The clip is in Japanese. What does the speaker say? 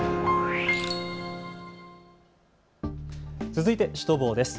続いてシュトボーです。